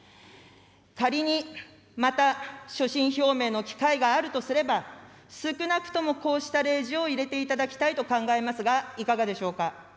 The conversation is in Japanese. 仮にまた、所信表明の機会があるとすれば、少なくともこうした例示を入れていただきたいと考えますがいかがでしょうか。